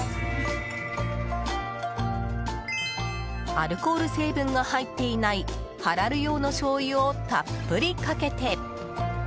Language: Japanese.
アルコール成分が入っていないハラル用のしょうゆをたっぷりかけて。